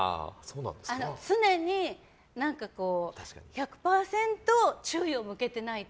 常に１００％注意を向けていないと